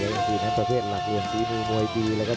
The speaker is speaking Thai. และทีนั้นประเภทหลักมีอย่างสีมือมวยดีเลยครับ